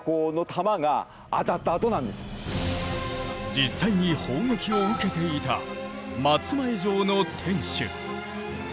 実際に砲撃を受けていた松前城の天守。